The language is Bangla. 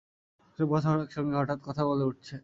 এইসব গাছ একসঙ্গে হঠাৎ কথা বলে উঠছে।